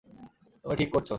তুমি ঠিক করছো।